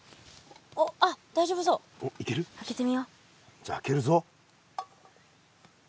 じゃ開けるぞ。